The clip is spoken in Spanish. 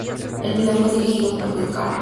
El video fue dirigido por Dean Karr.